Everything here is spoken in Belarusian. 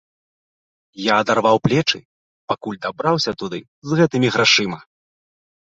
Я адарваў плечы, пакуль дабраўся туды з гэтымі грашыма.